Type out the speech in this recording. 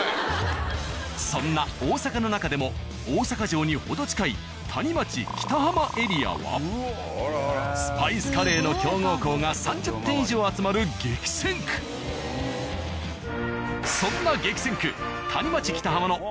そんな大阪の中でも大阪城に程近い谷町・北浜エリアはスパイスカレーの強豪校が３０店以上集まる激戦区。